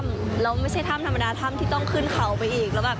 ไปถ่ายในท่ำไม่ใช่ท่ำธรรมดาท่ำที่ต้องขึ้นเขาไปอีก